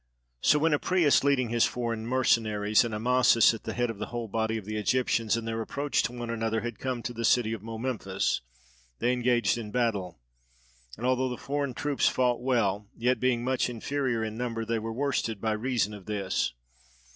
So when Apries leading his foreign mercenaries, and Amasis at the head of the whole body of the Egyptians, in their approach to one another had come to the city of Momemphis, they engaged in battle: and although the foreign troops fought well, yet being much inferior in number they were worsted by reason of this.